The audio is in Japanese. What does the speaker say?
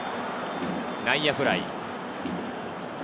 内野フライ。